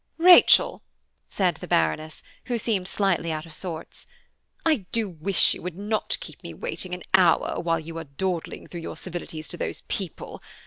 "Rachel," said the Baroness, who seemed slightly out of sorts, "I do wish you would not keep me waiting an hour while you are dawdling through your civilities to those people.